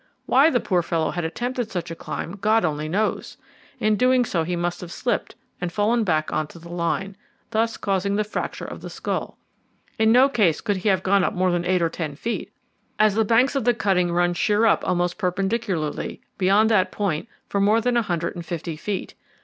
Why the poor fellow had attempted such a climb, God only knows. In doing so he must have slipped and fallen back on to the line, thus causing the fracture of the skull. In no case could he have gone up more than eight or ten feet, as the banks of the cutting run sheer up, almost perpendicularly, beyond that point for more than a hundred and fifty feet.